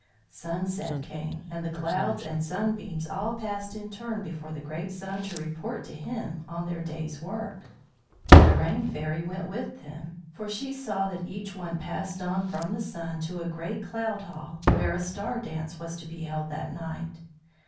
Sunset came, and the Clouds and Sunbeams all passed in turn before the great Sun to report to him on their day's work. The Rain Fairy went with them, for she saw that each one passed on from the Sun to a great cloud hall, where a star dance was to be held that night.